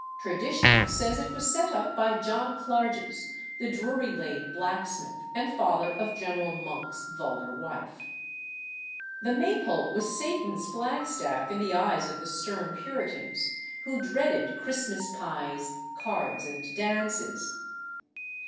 Tradition says it was set up by John Clarges, the Drury Lane blacksmith, and father of General Monk's vulgar wife. The Maypole was Satan's flag staff in the eyes of the stern Puritans, who dreaded Christmas pies, cards, and dances.